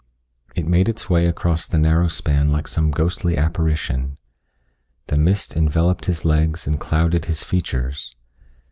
It made its way across the narrow span like some ghostly apparition. The mist enveloped his legs and clouded his features.